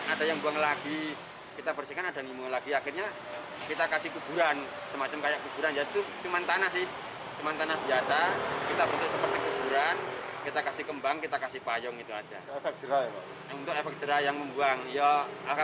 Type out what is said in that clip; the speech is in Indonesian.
ada yang buang lagi kita bersihkan ada limau lagi akhirnya kita kasih kuburan semacam kayak